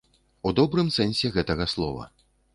У добрым сэнсе гэтага слова.